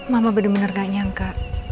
mama bener bener gak nyangka